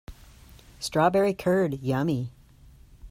Strawberry curd, yummy!